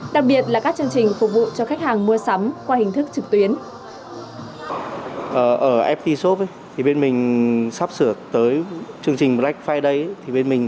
đặc biệt là các chương trình phục vụ cho khách hàng mua sắm qua hình thức trực tuyến